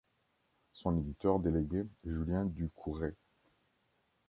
Son éditeur-délégué Julien Ducouret.